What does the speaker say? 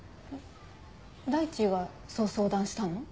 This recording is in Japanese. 大地がそう相談したの？